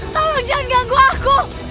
tolong jangan ganggu aku